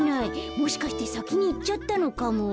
もしかしてさきにいっちゃったのかも。